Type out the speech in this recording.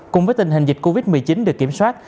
cùng với tình hình dịch covid một mươi chín được kiểm soát